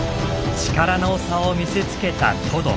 力の差を見せつけたトド。